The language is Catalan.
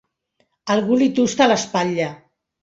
Algú li tusta l'espatlla.